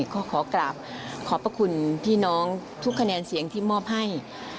ขอประคุณที่น้องทุกคะแนนเสียงที่มอบให้